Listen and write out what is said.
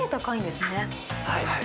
はい。